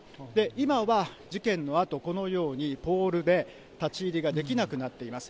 今は事件のあと、このように、ポールで立ち入りができなくなっています。